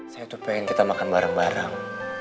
saya tuh pengen kita makan bareng bareng